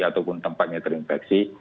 ataupun tempatnya terinfeksi